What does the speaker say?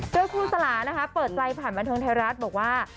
ด้วยคุณสลานะคะเปิดใจผ่านบรรทางไทยรัฐบอกว่า